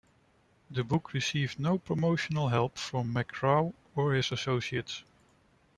The book received no promotional help from McGraw or his associates.